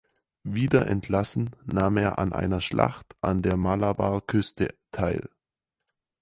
Wieder entlassen, nahm er an einer Schlacht an der Malabarküste teil.